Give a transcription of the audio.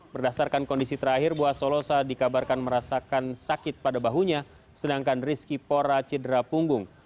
berdasarkan kondisi terakhir bua solosa dikabarkan merasakan sakit pada bahunya sedangkan rizky pora cedera punggung